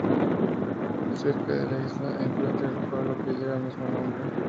Cerca de la isla se encuentra el pueblo que lleva el mismo nombre.